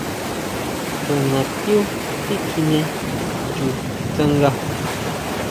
Tu natiú tikjine chu tsanga.